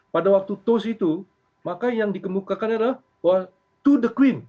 pada waktu tos itu maka yang dikemukakan adalah to the queen